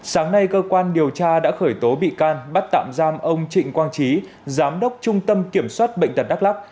sáng nay cơ quan điều tra đã khởi tố bị can bắt tạm giam ông trịnh quang trí giám đốc trung tâm kiểm soát bệnh tật đắk lắc